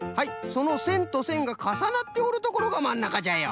そのせんとせんがかさなっておるところがまんなかじゃよ。